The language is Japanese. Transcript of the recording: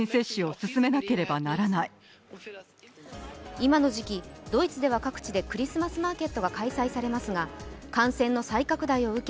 今の時期、ドイツでは各地でクリスマスマーケットが開催されますが感染の再拡大を受け